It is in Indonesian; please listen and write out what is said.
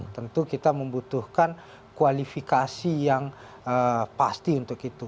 tentu kita membutuhkan kualifikasi yang pasti untuk itu